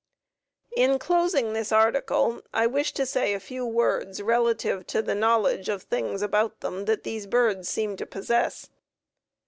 In closing this article I wish to say a few words relative to the knowledge of things about them that these birds seem to possess.